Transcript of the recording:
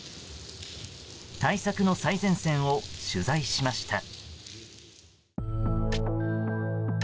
対策の最前線を取材しました。